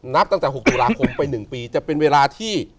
นับตั้งแต่๖ตุลาคมไป๑ปีจะเป็นเวลาที่